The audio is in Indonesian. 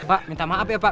pak minta maaf ya pak